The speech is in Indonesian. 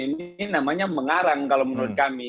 ini namanya mengarang kalau menurut kami